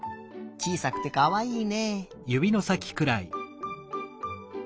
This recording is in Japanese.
ちいさくてかわいいね。